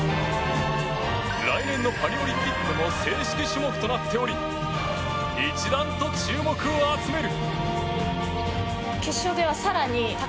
来年のパリオリンピックでも正式種目となっており一段と注目を集める。